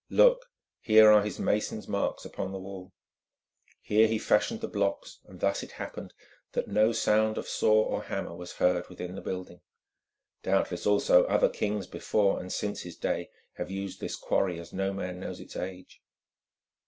Look, here are his mason's marks upon the wall. Here he fashioned the blocks and thus it happened that no sound of saw or hammer was heard within the building. Doubtless also other kings before and since his day have used this quarry, as no man knows its age."